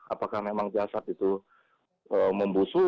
apakah memang jasad itu membusuk